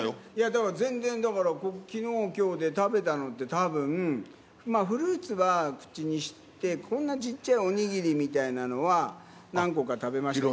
だから全然だから、きのう、きょうで食べたのって、たぶん、フルーツは口にして、こんなちっちゃいお握りみたいなのは、何個か食べましたけど。